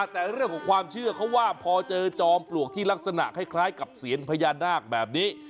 แต่เรื่องของความเชื่อเขาว่าพอเจอจอมปลวกที่ลักษณะคล้ายกับเซียนพญานาคแบบนี้